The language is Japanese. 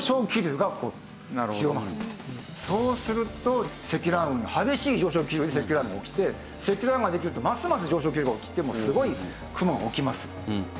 そうすると積乱雲が激しい上昇気流で積乱雲が起きて積乱雲ができるとますます上昇気流が起きてすごい雲が起きます。